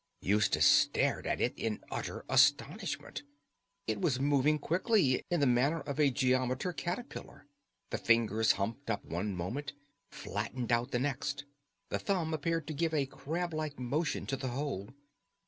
Eustace stared at it in utter astonishment. It was moving quickly, in the manner of a geometer caterpillar, the fingers humped up one moment, flattened out the next; the thumb appeared to give a crab like motion to the whole.